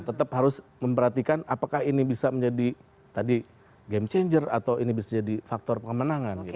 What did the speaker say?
tetap harus memperhatikan apakah ini bisa menjadi tadi game changer atau ini bisa jadi faktor pemenangan